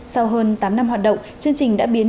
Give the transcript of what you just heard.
sau hơn tám năm hoạt động chương trình đã biến